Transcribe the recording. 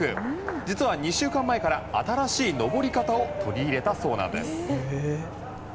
実は、２週間前から新しい登り方を取り入れたそうです。